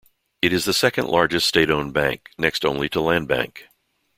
It is the second-largest state-owned bank, next only to Landbank.